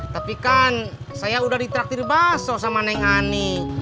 tapi kan saya udah ditraktir baso sama neng ani